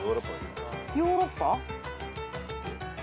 ヨーロッパ？